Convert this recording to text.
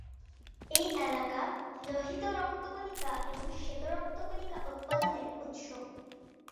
এই এলাকা লোহিত রক্তকণিকা এবং শ্বেত রক্তকণিকা উৎপাদনের উৎস।